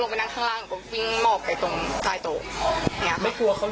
ไม่กลัวเค้ายิงเหรอครับ